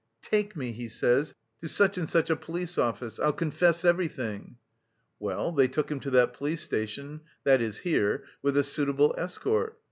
'Take me,' he says, 'to such and such a police officer; I'll confess everything.' Well, they took him to that police station that is here with a suitable escort.